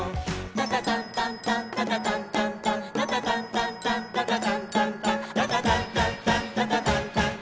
「タタタンタンタンタタタンタンタンタタタンタンタンタタタンタンタン」